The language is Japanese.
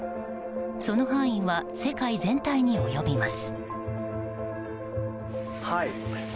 その範囲は世界全体に及びます。